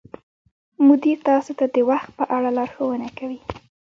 مدیر تاسو ته د وخت په اړه لارښوونه کوي.